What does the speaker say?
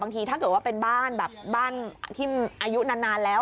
ถ้าเกิดว่าเป็นบ้านแบบบ้านที่อายุนานแล้ว